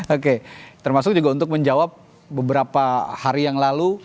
oke termasuk juga untuk menjawab beberapa hari yang lalu